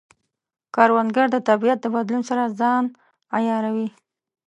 کروندګر د طبیعت د بدلون سره ځان عیاروي